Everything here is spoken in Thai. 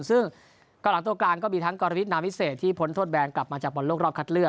ซึ่งก็หลังตัวกลางก็มีทั้งกรวิทนาวิเศษที่พ้นโทษแบนกลับมาจากบอลโลกรอบคัดเลือก